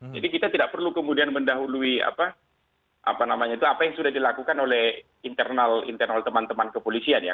jadi kita tidak perlu kemudian mendahului apa apa namanya itu apa yang sudah dilakukan oleh internal internal teman teman kepolisian ya